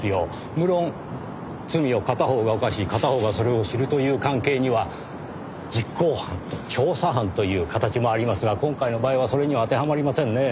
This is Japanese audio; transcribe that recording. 無論罪を片方が犯し片方がそれを知るという関係には実行犯と教唆犯という形もありますが今回の場合はそれには当てはまりませんねぇ。